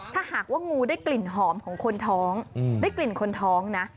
ถ้าหากว่างูได้กลิ่นหอมของคนท้องได้กลิ่นคนท้องนะ